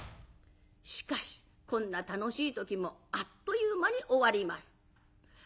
しかしこんな楽しい時もあっという間に終わります。